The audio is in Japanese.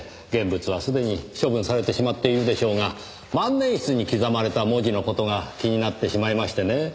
現物はすでに処分されてしまっているでしょうが万年筆に刻まれた文字の事が気になってしまいましてね